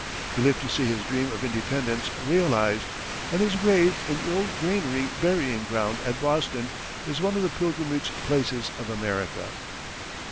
He lived to see his dream of independence realized, and his grave in the old Granary burying ground at Boston is one of the pilgrimage places of America.